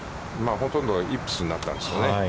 ほとんどがイップスになったんですけどね。